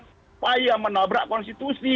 supaya menabrak konstitusi